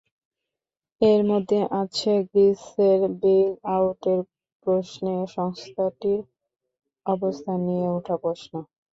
এর মধ্যে আছে গ্রিসের বেইলআউটের প্রশ্নে সংস্থাটির অবস্থান নিয়ে ওঠা প্রশ্ন।